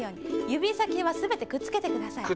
ゆびさきはすべてくっつけてください。